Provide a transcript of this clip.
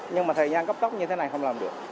nhưng mà thời gian cấp tốc như thế này không làm được